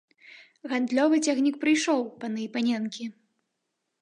Гандлёвы цягнік прыйшоў, паны і паненкі!